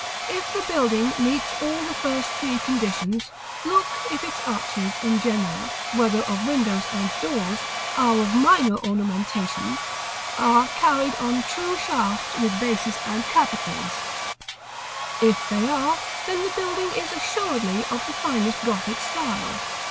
If the building meets all the first three conditions, look if its arches in general, whether of windows and doors, or of minor ornamentation, are carried on true shafts with bases and capitals. If they are, then the building is assuredly of the finest Gothic style.